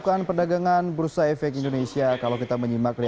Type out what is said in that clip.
harapan kita adalah mengikuti